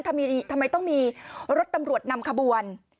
ทำไมต้องมีรถตำรวจนำขบวน